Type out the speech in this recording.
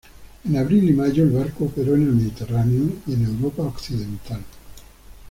En abril y mayo, el barco operó en el Mediterráneo y en Europa Occidental.